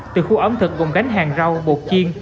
từ khu ẩm thực gồm gánh hàng rau bột chiên